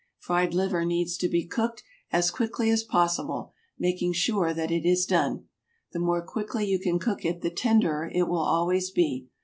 Fried liver needs to be cooked as quickly as possible, making sure that it is done. The more quickly you can cook it the tenderer it will always be.